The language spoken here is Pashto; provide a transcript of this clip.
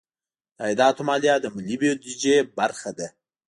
د عایداتو مالیه د ملي بودیجې برخه ده.